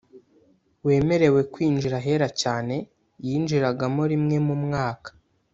wemerewe kwinjira Ahera Cyane Yinjiragamo rimwe mu mwaka